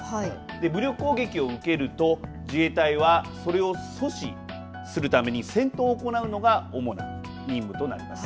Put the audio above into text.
武力攻撃を受けると自衛隊はそれを阻止するために戦闘を行うのが主な任務となります。